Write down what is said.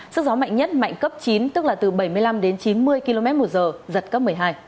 sức gió mạnh nhất mạnh cấp chín tức là từ bảy mươi năm đến chín mươi km một giờ giật cấp một mươi hai